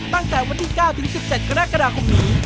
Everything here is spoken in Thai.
ตั้งแต่วันที่๙ถึง๑๗กรกฎาคมนี้